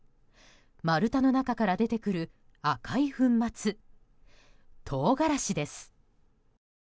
丸太の中から出てくる赤い粉末トウガラシです。